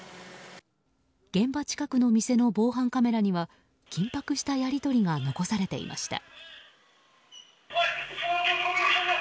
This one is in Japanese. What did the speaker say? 現場近くの店の防犯カメラには緊迫したやり取りが残されていました。